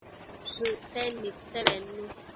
Shëcten nidte bednu